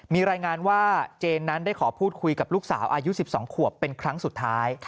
มีรายงานว่าเจนนั้นได้ขอพูดคุยกับลูกสาวอายุ๑๒ขวบเป็นครั้งสุดท้าย